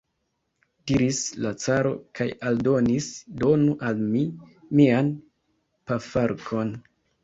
diris la caro kaj aldonis: donu al mi mian pafarkon.